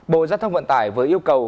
bộ giao thông vận tải với yêu cầu